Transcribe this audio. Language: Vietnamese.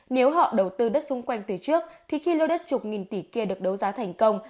nếu họ đầu tư đất xung quanh từ trước thì khi lô đất chục nghìn tỷ kia được đấu giá thành công